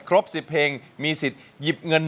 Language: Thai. ครบ๑๐เพลงมีสิทธิ์หยิบเงิน